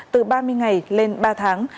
từ ba mươi ngày lên ba tháng